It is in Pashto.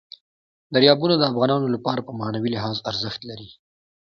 دریابونه د افغانانو لپاره په معنوي لحاظ ارزښت لري.